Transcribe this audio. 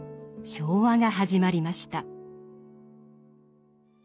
昭和が始まりました。